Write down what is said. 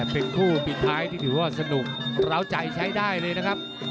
เป็นคู่ปิดท้ายที่ถือว่าสนุกร้าวใจใช้ได้เลยนะครับ